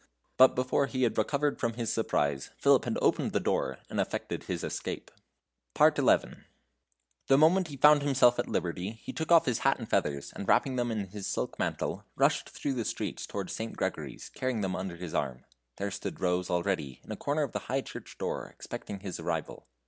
But before he had recovered from his surprise, Philip had opened the door and effected his escape. XI. The moment he found himself at liberty he took off his hat and feathers, and wrapping them in his silk mantle, rushed through the streets towards St. Gregory's, carrying them under his arm. There stood Rose already, in a corner of the high church door, expecting his arrival.